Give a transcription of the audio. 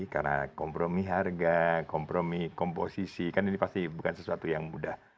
karena kompromi harga kompromi komposisi kan ini pasti bukan sesuatu yang mudah